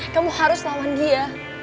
kamu harus lawan dia